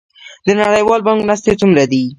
د نړیوال بانک مرستې څومره دي؟